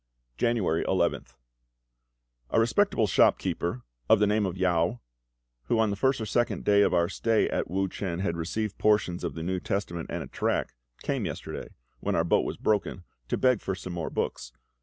January 11th. A respectable shop keeper of the name of Yao, who on the first or second day of our stay at Wu chen had received portions of the New Testament and a tract, came yesterday, when our boat was broken, to beg for some more books.